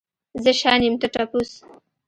زه شاين يم ته ټپوس.